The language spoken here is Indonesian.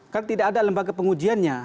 kan tidak ada lembaga pengujiannya